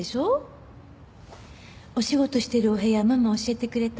お仕事してるお部屋ママ教えてくれた？